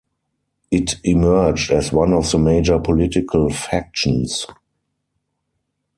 It emerged as one of the major political factions.